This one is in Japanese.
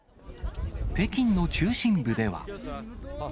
北京の中心部では。